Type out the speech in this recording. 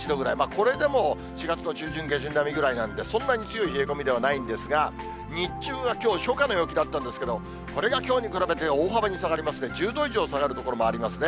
これでも４月の中旬、下旬並みぐらいなんで、そんなに強い冷え込みではないんですが、日中はきょう、初夏の陽気だったんですけど、これがきょうに比べて大幅に下がりますね、１０度以上下がる所もありますね。